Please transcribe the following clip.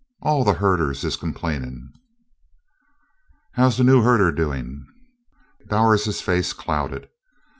All the herders is complainin'." "How's the new herder doing?" Bowers's face clouded.